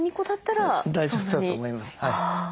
大丈夫だと思います。